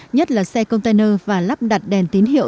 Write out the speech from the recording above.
nhất là xe container và lắp đặt đèn tín hiệu